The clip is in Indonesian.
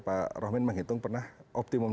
pak rohmin menghitung pernah optimum